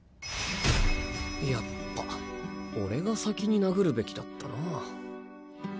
やっぱ俺が先に殴るべきだったな。